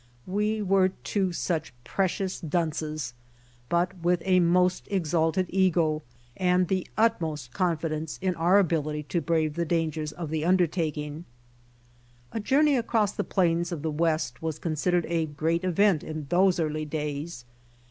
We were two such precious dunces, but with a most exalted ego, and the utmost confidence in our ability to brave the dangers of the undertaking. A journey across the plains of the West was con sidered a great event in those early days.